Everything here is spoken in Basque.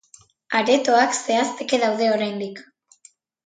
Aretoak zehazteke daude oraindik.